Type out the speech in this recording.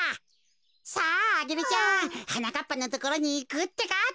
さあアゲルちゃんはなかっぱのところにいくってか。